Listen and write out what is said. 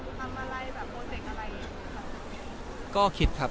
จะเรียนทำอะไรโปรเจคอะไร